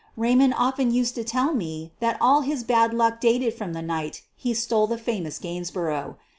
Raymond often used to tell me that all his bad luck dated from the night he stole the famous Gains borough.